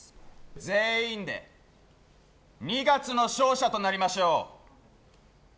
全員で二月の勝者となりましょう。